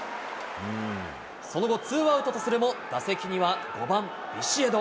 その後、ツーアウトとするも、打席には５番ビシエド。